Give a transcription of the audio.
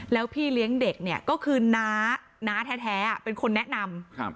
แล้วพี่เลี้ยงเด็กเนี่ยก็คือน้าน้าแท้เป็นคนแนะนำ